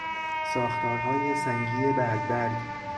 ساختارهای سنگی برگبرگ